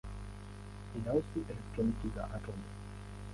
Inahusu elektroni za atomu.